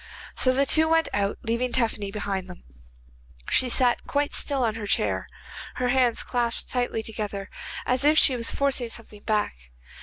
So the two went out, leaving Tephany behind them. She sat quite still on her chair, her hands clasped tightly together, as if she was forcing something back.